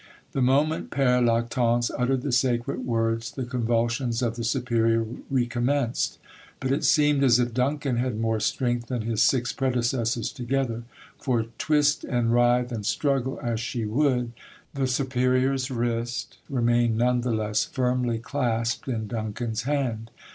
The moment Pere Lactance uttered the sacred words the convulsions of the superior recommenced; but it seemed as if Duncan had more strength than his six predecessors together, for twist and writhe and struggle as she would, the superior's wrist remained none the less firmly clasped in Duncan's hand.